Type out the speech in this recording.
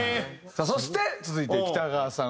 そして続いて北川さん